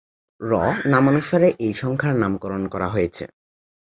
র নামানুসারে এই সংখ্যার নামকরণ করা হয়েছে।